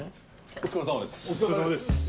お疲れさまです。